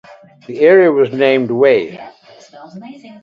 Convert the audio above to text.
The area was named "Wei".